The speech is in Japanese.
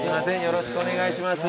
よろしくお願いします。